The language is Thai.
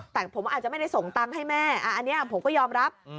แต่ผมอาจจะไม่ได้ส่งตังค์ให้แม่อันนี้ผมก็ยอมรับ